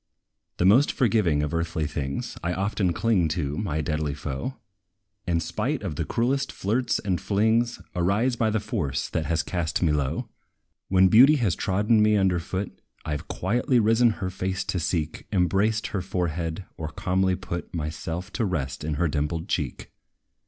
The most forgiving of earthly things, I often cling to my deadly foe; And, spite of the cruelest flirts and flings, Arise by the force that has cast me low. When beauty has trodden me under foot, I 've quietly risen her face to seek, Embraced her forehead, or calmly put Myself to rest in her dimpled cheek.